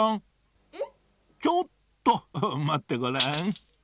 ちょっとまってごらん。